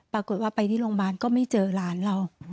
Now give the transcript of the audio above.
ปรากฏว่าไปที่โรงพยาบาลก็ไม่เจอหลานเรา